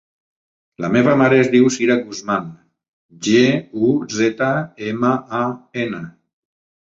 La meva mare es diu Sira Guzman: ge, u, zeta, ema, a, ena.